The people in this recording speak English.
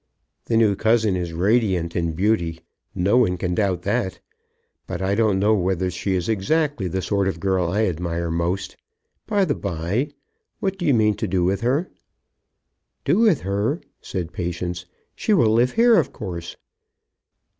The new cousin is radiant in beauty. No one can doubt that. But I don't know whether she is exactly the sort of girl I admire most. By the bye, what do you mean to do with her?" "Do with her?" said Patience. "She will live here, of course."